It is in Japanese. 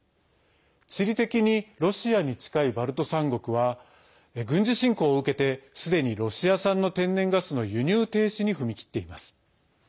地理的にロシアに近いバルト３国は軍事侵攻を受けてすでに、ロシア産の天然ガスの輸入停止に踏み切っています。